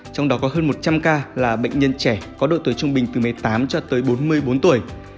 trong đó có hơn một trăm linh ca là bệnh nhân trẻ có độ tuổi trung bình từ một mươi tám cho tới bốn mươi bốn tuổi